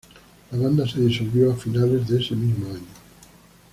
La banda se disolvió a finales de ese mismo año.